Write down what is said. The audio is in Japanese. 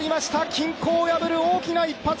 均衡を破る大きな一発！